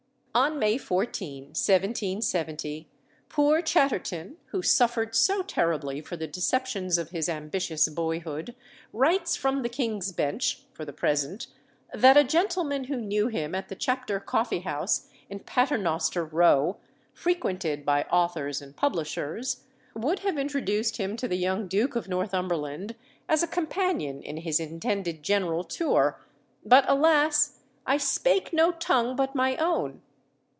On May 14, 1770, poor Chatterton, who suffered so terribly for the deceptions of his ambitious boyhood, writes from the King's Bench (for the present) that a gentleman who knew him at the Chapter coffee house, in Paternoster Row frequented by authors and publishers would have introduced him to the young Duke of Northumberland as a companion in his intended general tour, "but, alas! I spake no tongue but my own."